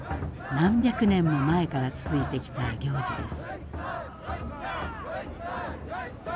何百年も前から続いてきた行事です。